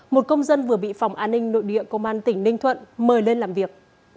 một công dân vừa bị phòng an ninh nội địa công an tỉnh ninh thuận mời lên làm việc